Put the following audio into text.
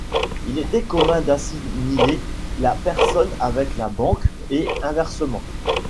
Il était commun d'assimiler la personne avec la banque et inversement.